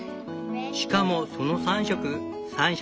しかもその３色三者